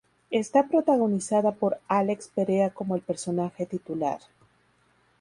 Está protagonizada por Álex Perea como el personaje titular.